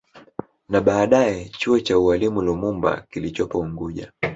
Na baadaye chuo cha ualimu Lumumba kilichopo unguja